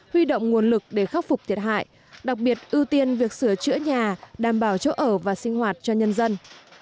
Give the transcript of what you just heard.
huy động nguồn lực để khắc phục thiệt hại đặc biệt ưu tiên việc sửa chữa nhà đảm bảo chỗ ở và sinh hoạt cho nhân dân